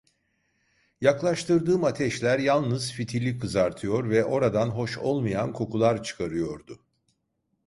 Yaklaştırdığım ateşler yalnız fitili kızartıyor ve oradan hoş olmayan kokular çıkarıyordu.